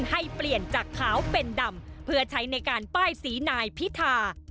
ให้เปลี่ยนจากขาวเป็นดำเพื่อใช้ในการป้ายสีนายพิธา